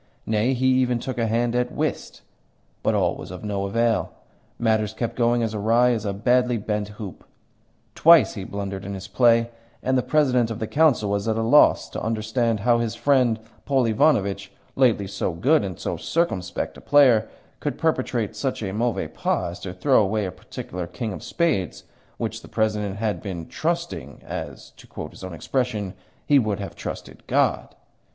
Nay, he even took a hand at whist. But all was of no avail matters kept going as awry as a badly bent hoop. Twice he blundered in his play, and the President of the Council was at a loss to understand how his friend, Paul Ivanovitch, lately so good and so circumspect a player, could perpetrate such a mauvais pas as to throw away a particular king of spades which the President has been "trusting" as (to quote his own expression) "he would have trusted God."